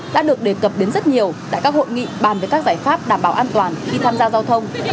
đã được đề cập đến rất nhiều tại các hội nghị bàn về các giải pháp đảm bảo an toàn khi tham gia giao thông